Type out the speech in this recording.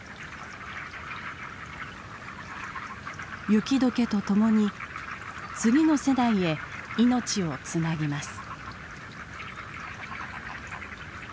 雪解けとともに次の世代へ命をつなぎます。